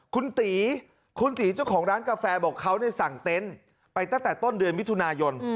คุณตีคุณตีเจ้าของร้านกาแฟบอกเขาสั่งเต็นต์ไปตั้งแต่ต้นเดือนมิถุนายน